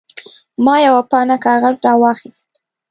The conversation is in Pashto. ما یوه پاڼه کاغذ راواخیست.